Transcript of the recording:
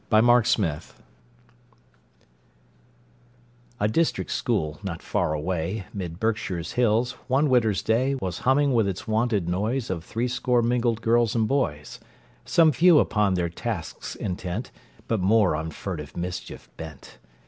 A SMACK IN SCHOOL A district school, not far away, 'Mid Berkshire's hills, one winter's day, Was humming with its wonted noise Of threescore mingled girls and boys; Some few upon their tasks intent, But more on furtive mischief bent.